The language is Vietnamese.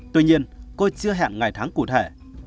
tuy nhiên cô chưa hẹn ngày tháng cụ thể